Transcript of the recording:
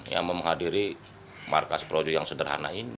yang menghadiri markas projo yang sederhana ini